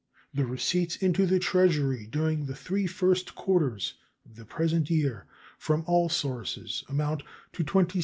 The receipts into the Treasury during the three first quarters of the present year from all sources amount to $26,616,593.